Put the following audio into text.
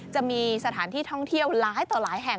จะมีสถานที่ท่องเที่ยวหลายต่อหลายแห่ง